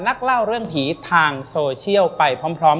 นักเล่าเรื่องผีทางโซเชียลไปพร้อม